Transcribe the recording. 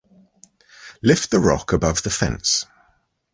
Lift the rock above the fence.